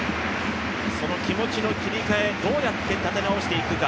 その気持ちの切り替え、どうやって立て直していくか。